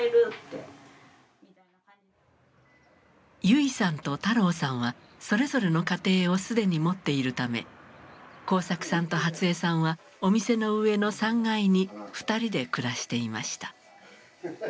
唯さんと太朗さんはそれぞれの家庭を既に持っているため耕作さんと初江さんはお店の上の３階に２人で暮らしていました。